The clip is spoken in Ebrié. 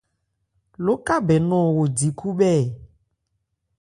Lókabɛn nɔ̂n wo di khúbhɛ́ ɛ ?